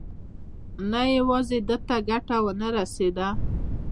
نه یوازې ده ته ګټه ونه کړه.